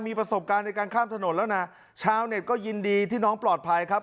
มีประสบการณ์ในการข้ามถนนแล้วนะชาวเน็ตก็ยินดีที่น้องปลอดภัยครับ